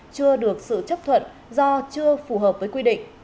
chưa được sự chấp thuận do chưa phù hợp với quy định